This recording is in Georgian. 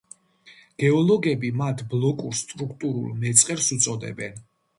გეოლოგები მათ ბლოკურ სტრუქტურულ მეწყერს უწოდებენ.